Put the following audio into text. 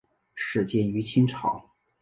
始建于清朝。